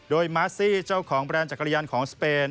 โดยมาซี่เจ้าของแบรนด์จักรยานของสเปน